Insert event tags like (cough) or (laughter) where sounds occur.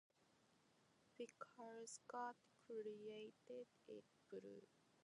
because god created it (unintelligible)